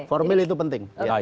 formil itu penting